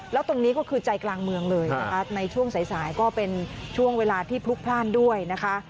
แล้วตรงนี้ก็คือใจกลางเมืองเลยนะคะในช่วงสายก็เป็นช่วงเวลาที่พลุกพลาดด้วยนะคะ